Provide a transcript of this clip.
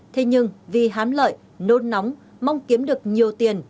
thế nhưng vì hám lợi nôn nóng mong kiếm được nhiều tiền